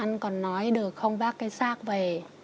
anh còn nói được không vác cái xác về